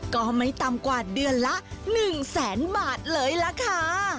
ก็ไม่ต่ำกว่าเดือนละ๑แสนบาทเลยล่ะค่ะ